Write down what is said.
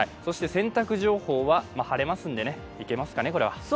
洗濯情報は晴れますので、いけますかね。